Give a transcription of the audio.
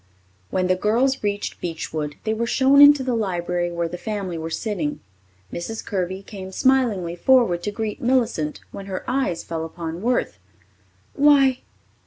When the girls reached Beechwood, they were shown into the library where the family were sitting. Mrs. Kirby came smilingly forward to greet Millicent when her eyes fell upon Worth. "Why!